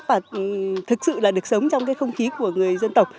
và thực sự được sống trong không khí của người dân tộc